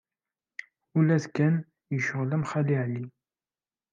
Ula d Ken yecɣel am Xali Ɛli.